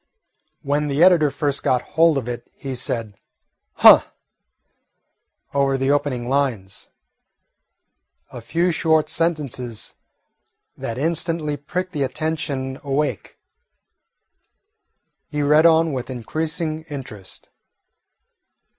When the editor first got hold of it he said "Huh!" over the opening lines, a few short sentences that instantly pricked the attention awake. He read on with increasing interest.